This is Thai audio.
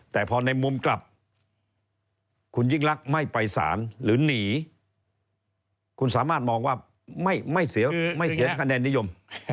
แต่พอในมุมกลับคุณยิ่งลักษณ์ไม่ไปสารหรือหนีคุณสามารถมองว่าไม่เสียคะแนนนิยม